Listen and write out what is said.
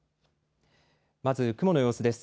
まず雲の様子です。